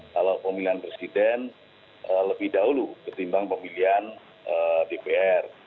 kalau pemilihan presiden lebih dahulu ketimbang pemilihan dpr